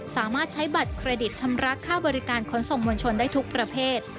สามารถใช้บัตรเครดิตชำระค่าบริการขนส่งมวลชนได้ทุกประเภท